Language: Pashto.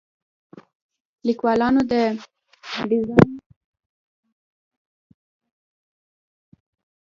لیکوالانو د ډیزاین میتودونو یو لیست جوړ کړی.